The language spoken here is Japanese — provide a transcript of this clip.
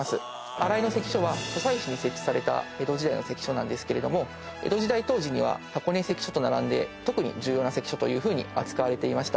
新居の関所は湖西市に設置された江戸時代の関所なんですけれども江戸時代当時には箱根関所と並んで特に重要な関所というふうに扱われていました。